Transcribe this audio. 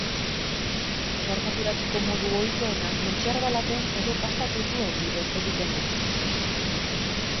Merkaturatzeko modu ohikoena kontserba-laten edo pasta-tutuen bidez egiten da.